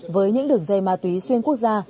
với những đường dây ma túy xuyên quốc gia